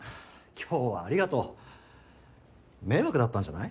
今日はありがとう迷惑だったんじゃない？